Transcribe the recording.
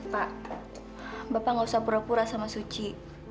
pak bapak gak usah pura pura sama suci